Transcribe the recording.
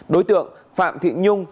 đối tượng phạm thị nhung